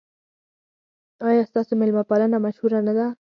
ایا ستاسو میلمه پالنه مشهوره نه ده؟